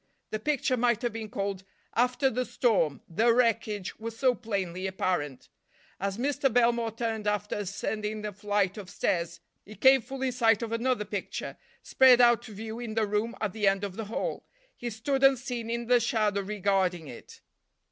The picture might have been called "After the Storm," the wreckage was so plainly apparent. As Mr. Belmore turned after ascending the flight of stairs he came full in sight of another picture, spread out to view in the room at the end of the hall. He stood unseen in the shadow regarding it.